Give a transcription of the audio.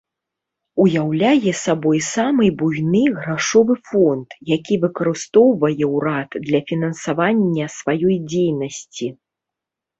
Уяўляе сабой самы буйны грашовы фонд, які выкарыстоўвае ўрад для фінансавання сваёй дзейнасці.